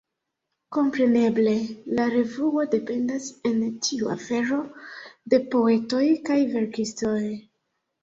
Kompreneble, la revuo dependas en tiu afero de poetoj kaj verkistoj.